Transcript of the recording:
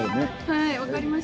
はい分かりました。